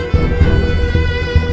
sus silahkan pak